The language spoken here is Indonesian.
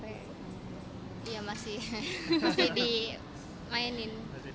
iya masih dimainin